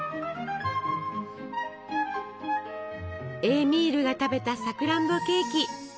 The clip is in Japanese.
エーミールが食べたさくらんぼケーキ。